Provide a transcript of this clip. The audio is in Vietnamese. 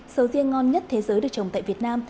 sầu riêng ngon nhất thế giới được trồng tại việt nam